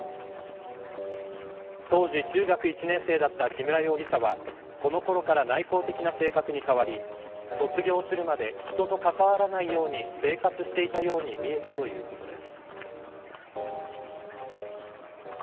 当時、中学１年生だった木村容疑者はこのころから内向的な性格に変わり卒業するまで人と関わらないように生活していたように見えたということです。